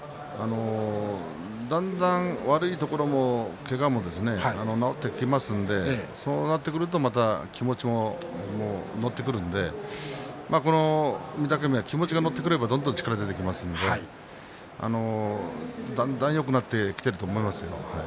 だんだん悪いところもけがも治ってきますのでそうなってくると気持ちも乗ってくるので御嶽海は、気持ちが乗ってくればどんどん力が出ますのでだんだんよくなってきていると思いますよ。